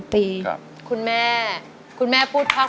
ทั้งในเรื่องของการทำงานเคยทำนานแล้วเกิดปัญหาน้อย